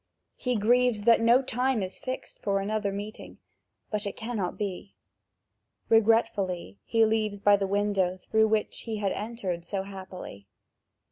He grieves that no time is fixed for another meeting, but it cannot be. Regretfully he leaves by the window through which he had entered so happily.